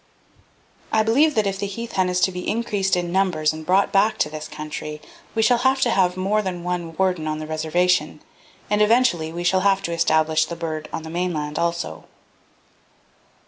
I believe if the heath hen is to be increased in numbers and brought back to this country, we shall have to have more than one warden on the reservation and, eventually, we shall have to establish the bird on the mainland also."